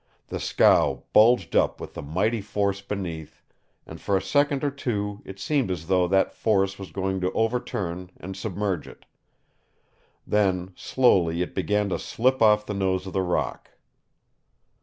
The scow bulged up with the mighty force beneath, and for a second or two it seemed as though that force was going to overturn and submerge it. Then slowly it began to slip off the nose of the rock.